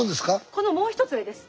このもう一つ上です。